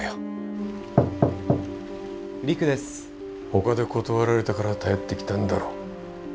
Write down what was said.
ほかで断られたから頼ってきたんだろ。